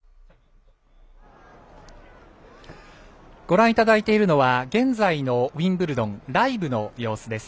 ご覧いただいているのは現在のウィンブルドンライブの様子です。